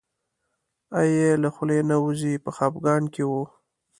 آه یې له خولې نه وځي په خپګان کې و.